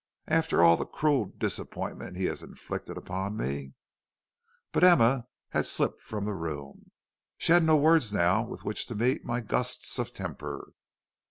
'After all the cruel disappointment he has inflicted upon me ' "But Emma had slipped from the room. She had no words now with which to meet my gusts of temper.